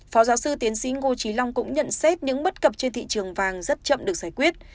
phó giáo sư tiến sĩ ngô trí long cũng nhận xét những bất cập trên thị trường vàng rất chậm được giải quyết